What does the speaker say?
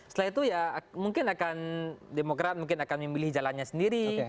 setelah itu ya mungkin akan demokrat mungkin akan memilih jalannya sendiri